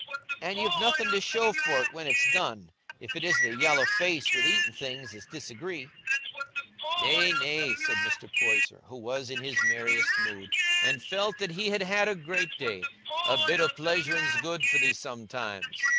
An' you've nothing to show for't when it's done, if it isn't a yallow face wi' eatin' things as disagree." "Nay, nay," said Mr. Poyser, who was in his merriest mood, and felt that he had had a great day, "a bit o' pleasuring's good for thee sometimes.